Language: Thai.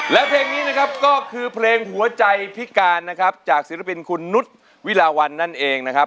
และเพลงนี้นะครับก็คือเพลงหัวใจพิการนะครับจากศิลปินคุณนุษย์วิลาวันนั่นเองนะครับ